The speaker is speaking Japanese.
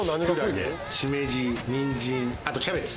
しめじ、にんじん、あとキャベツ。